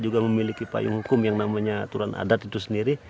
juga memiliki payung hukum yang namanya aturan adat itu sendiri